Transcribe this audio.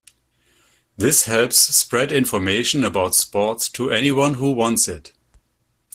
This helps spread information about sports to anyone who wants it.